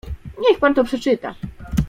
"Niech pan to przeczyta."